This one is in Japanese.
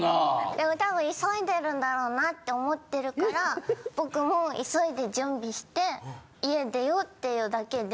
でも多分急いでるんだろうなって思ってるからぼくも急いで準備して家出ようっていうだけで。